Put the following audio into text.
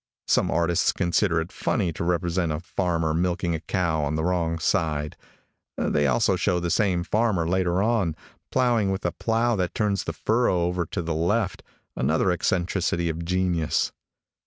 Some artists consider it funny to represent a farmer milking a cow on the wrong side. They also show the same farmer, later on, plowing with a plow that turns the furrow over to the left, another eccentricity of genius.